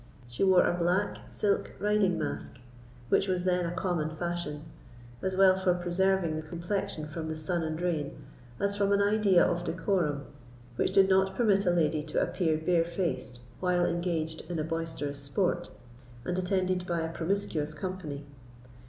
She wore a black silk riding mask, which was then a common fashion, as well for preserving the complexion from the sun and rain, as from an idea of decorum, which did not permit a lady to appear barefaced while engaged in a boisterous sport, and attended by a promiscuous company.